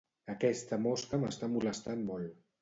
Aquesta mosca m'està molestant molt.